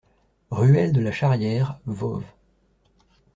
Ruelle de la Charrière, Voves